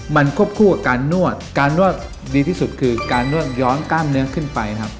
มันควบคู่กับการนวดการนวดดีที่สุดคือการนวดย้อนกล้ามเนื้อขึ้นไปครับ